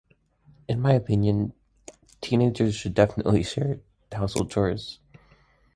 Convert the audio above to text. In my opinion, teenagers should definitely share household chores.